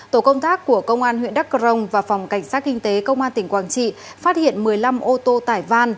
tổ công tác của công an huyện đắc crong và phòng cảnh sát kinh tế công an tỉnh quảng trị phát hiện một mươi năm ô tô tải van